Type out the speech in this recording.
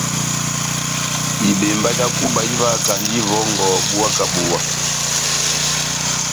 Ibembá já kuba ivahakand'ivòngò buwa kà buwa.